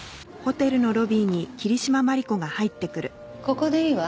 ここでいいわ。